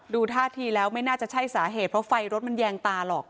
ท่าทีแล้วไม่น่าจะใช่สาเหตุเพราะไฟรถมันแยงตาหรอก